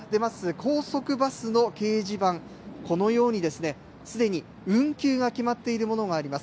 高速バスの掲示板、このようにすでに運休が決まっているものがあります。